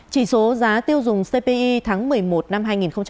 chỉ số giá tiêu dùng cpi tháng một mươi một năm hai nghìn một mươi bảy